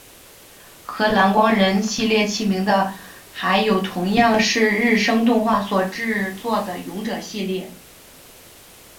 和蓝光人系列齐名的还有同样是日升动画所制作的勇者系列。